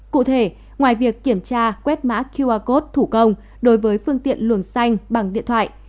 cụ thể ngoài việc kiểm tra quét mã qr code thủ công đối với phương tiện luồng xanh bằng điện thoại